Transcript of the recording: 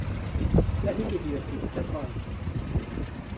Let me give you a piece of advice.